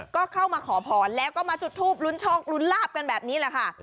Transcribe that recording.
ก็เข้ามาขอพรแล้วก็มาจุดทูปลุ้นโชคลุ้นลาบกันแบบนี้แหละค่ะ